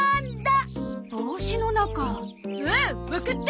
おおっわかった！